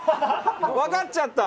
わかっちゃった！